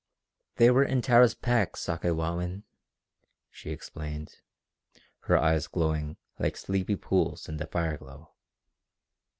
"They were in Tara's pack, Sakewawin," she explained, her eyes glowing like sleepy pools in the fireglow.